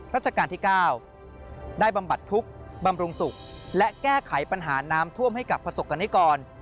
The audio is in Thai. ราชการที่๙ได้บำบัดทุกข์บำรุงสุขและแก้ไขปัญหาน้ำท่วมให้กับประสบกรณิกร